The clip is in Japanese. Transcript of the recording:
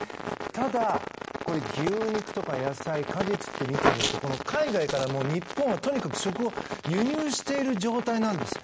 ただ、牛肉とか野菜、果実って見てみると海外から日本は食を輸入している状態なんです。